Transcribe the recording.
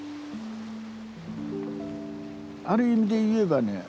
ある意味で言えばね